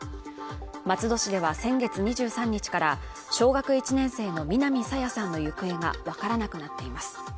松戸市では先月２３日から小学１年生の南朝芽さんの行方が分からなくなっています